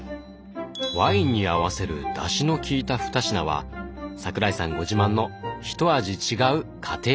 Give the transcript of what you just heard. ワインに合わせるだしのきいた２品は桜井さんご自慢の「ひと味違う家庭料理」。